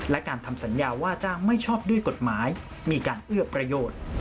และการทำสัญญาว่าจ้างไม่ชอบด้วยกฎหมายมีการเอื้อประโยชน์